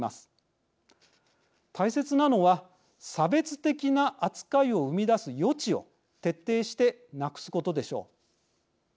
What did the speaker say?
大切なのは差別的な扱いを生み出す余地を徹底してなくすことでしょう。